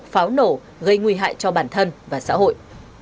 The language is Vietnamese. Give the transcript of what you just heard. pháo nổ gây nguy hại cho bản thân và xã hội